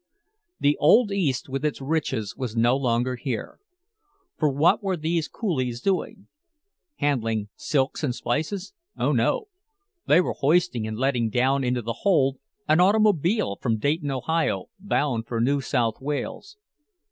The Old East with its riches was no longer here. For what were these Coolies doing? Handling silks and spices? Oh, no. They were hoisting and letting down into the hold an automobile from Dayton, Ohio, bound for New South Wales.